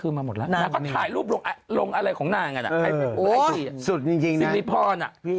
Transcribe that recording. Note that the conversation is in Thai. น้ำแบ่นออกเป็น๓กลุ่มนิตรกรุงที่๑